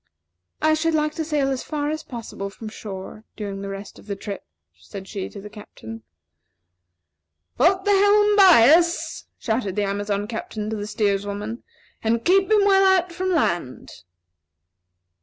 "I should like to sail as far as possible from shore during the rest of the trip," said she to the Captain. "Put the helm bias!" shouted the Amazon Captain to the steers woman; "and keep him well out from land."